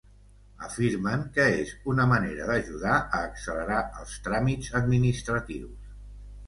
Afirmen que és una manera d’ajudar a accelerar els tràmits administratius.